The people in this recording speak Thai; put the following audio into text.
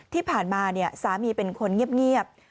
ที่ผ่านมาสามีเป็นคนเงียบ